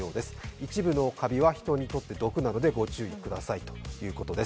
一部のカビは人にとって毒なのでご注意くださいということです。